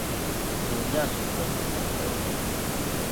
Ddondi asokonkola ddondi.